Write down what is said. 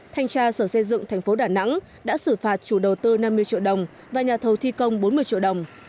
thanh tra sở xây dựng thành phố đà nẵng đã xử phạt chủ đầu tư năm mươi triệu đồng và nhà thầu thi công bốn mươi triệu đồng